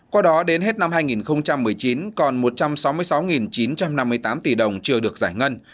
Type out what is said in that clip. qua đó đến hết năm hai nghìn một mươi chín còn một trăm sáu mươi sáu chín trăm năm mươi tám tỷ đồng chưa được giải ngân